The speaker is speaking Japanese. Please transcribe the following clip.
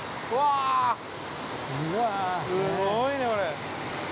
すごいな、これ。